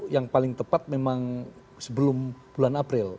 yang paling tepat memang sebelum bulan april